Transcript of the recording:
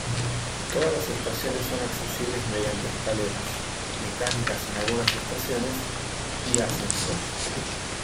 Todas las estaciones son accesibles mediante escaleras, mecánicas en algunas estaciones, y ascensores.